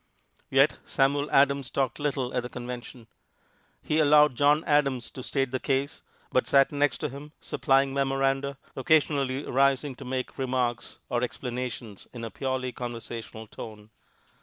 Yet Samuel Adams talked little at the Convention. He allowed John Adams to state the case, but sat next to him supplying memoranda, occasionally arising to make remarks or explanations in a purely conversational tone.